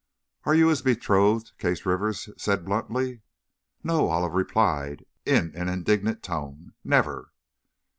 "Are you his betrothed?" Case Rivers said, bluntly. "No!" Olive replied, in an indignant tone; "never!"